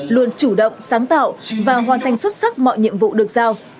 luôn chủ động sáng tạo và hoàn thành xuất sắc mọi nhiệm vụ được giao